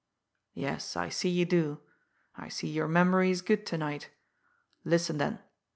Yes, I see you do; I see your memory is good to night! Listen, then!